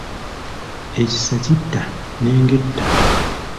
Ekisa kitta n’enge etta.